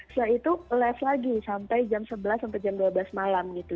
setelah itu les lagi sampai jam sebelas sampai jam dua belas malam gitu